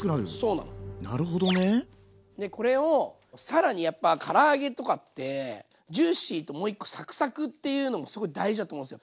なるほどね。これを更にやっぱから揚げとかってジューシーともう一個サクサクっていうのもすごい大事だと思うんすよ。